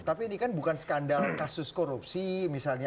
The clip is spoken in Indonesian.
tapi ini kan bukan skandal kasus korupsi misalnya